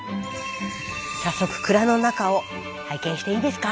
早速蔵の中を拝見していいですか？